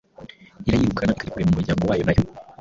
irayirukana ikajya kurema umuryango wayo nayo